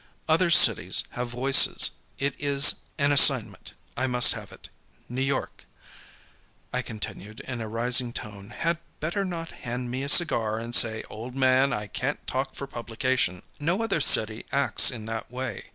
Other cities have voices. It is an assignment. I must have it. New York," I continued, in a rising tone, "had better not hand me a cigar and say: 'Old man, I can't talk for publication.' No other city acts in that way.